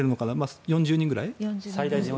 ４０人ぐらい？